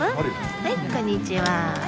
はい、こんにちは。